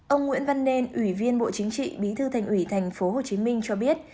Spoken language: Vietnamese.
ông nguyễn văn nên ủy viên bộ chính trị bí thư thành ủy tp hcm cho biết